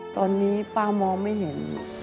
ตอนนี้ป้ามองไม่เห็น